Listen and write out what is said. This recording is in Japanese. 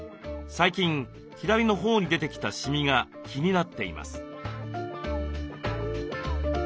最近左の頬に出てきたシミが気になっています。